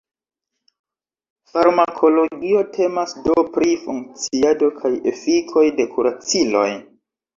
Farmakologio temas do pri funkciado kaj efikoj de kuraciloj.